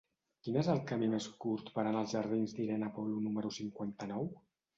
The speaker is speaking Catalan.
Quin és el camí més curt per anar als jardins d'Irene Polo número cinquanta-nou?